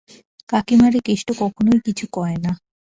কাকীমারে কেষ্ট কখনোই কিছু কয়না।